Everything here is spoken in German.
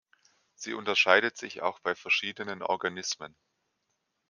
Sie unterscheidet sich auch bei verschiedenen Organismen.